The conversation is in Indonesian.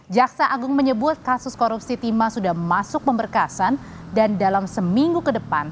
jaksa agung menyebut kasus korupsi timah sudah masuk pemberkasan dan dalam seminggu ke depan